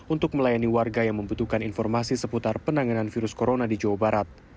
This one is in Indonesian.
untuk melayani warga yang membutuhkan informasi seputar penanganan virus corona di jawa barat